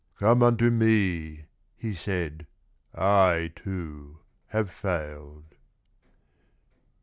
Come unto Me,' He said; 'I, too, have failed.